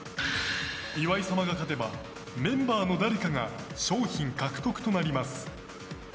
岩井様が勝てばメンバーの誰かが商品獲得となります。